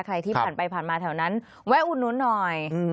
ใครที่ผ่านไปผ่านมาแถวนั้นแวะอุดนุนหน่อย